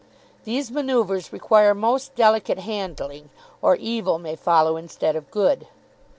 These manoeuvres require most delicate handling, or evil may follow instead of good.